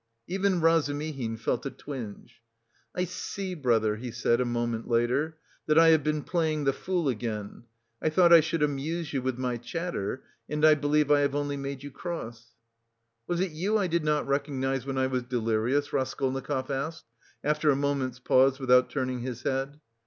Even Razumihin felt a twinge. "I see, brother," he said a moment later, "that I have been playing the fool again. I thought I should amuse you with my chatter, and I believe I have only made you cross." "Was it you I did not recognise when I was delirious?" Raskolnikov asked, after a moment's pause without turning his head.